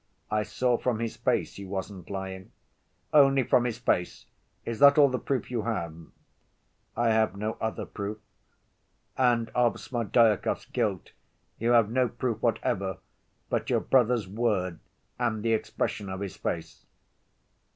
I saw from his face he wasn't lying." "Only from his face? Is that all the proof you have?" "I have no other proof." "And of Smerdyakov's guilt you have no proof whatever but your brother's word and the expression of his face?"